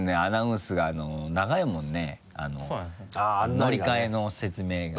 乗り換えの説明が。